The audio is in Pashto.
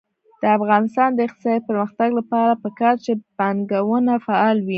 د افغانستان د اقتصادي پرمختګ لپاره پکار ده چې بانکونه فعال وي.